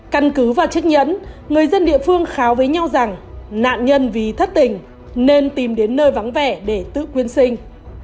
căn cứ và trích nhẫn người dân địa phương kháo với nhau rằng nạn nhân vì thất tình nên tìm đến nơi vắng vẻ để tự quyên sinh